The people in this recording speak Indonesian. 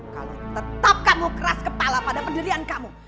kalau tetap kamu keras kepala pada pendirian kamu